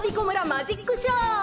マジックショー。